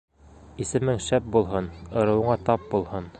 Исемең шәп булһын, ырыуыңа тап булһын